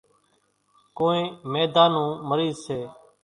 ڪونئين ميڌا نون مريض سي۔